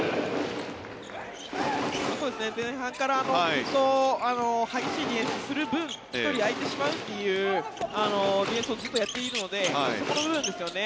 前半からずっと激しいディフェンスをする分１人空いてしまうというディフェンスをずっとやっているのでそこの部分ですよね